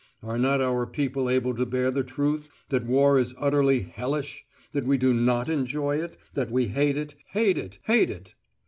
Are not our people able to bear the truth, that war is utterly hellish, that we do not enjoy it, that we hate it, hate it, hate it all?